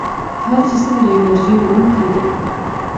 هر جسم د انرژۍ وړونکی دی.